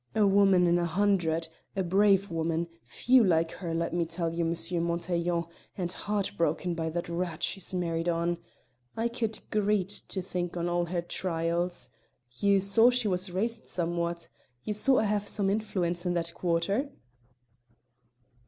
A woman in a hundred; a brave woman, few like her, let me tell you, M. Montaiglon, and heartbroken by that rat she's married on. I could greet to think on all her trials. You saw she was raised somewhat; you saw I have some influence in that quarter?"